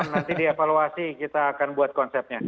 nanti di evaluasi kita akan buat konsepnya